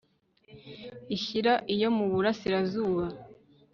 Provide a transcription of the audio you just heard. ishyira iyo mu burasirazuba